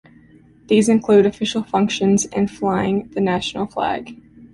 These include official functions and flying the national flag.